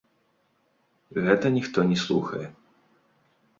Гэта ніхто не слухае.